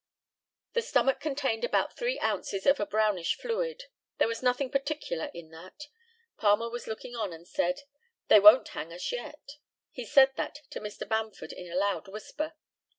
The stomach contained about three ounces of a brownish fluid. There was nothing particular in that. Palmer was looking on, and said, "They won't hang us yet." He said that to Mr. Bamford in a loud whisper.